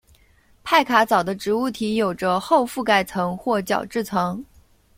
派卡藻的植物体有着厚覆盖层或角质层。